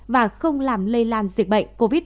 và không làm lây lan dịch bệnh covid một mươi chín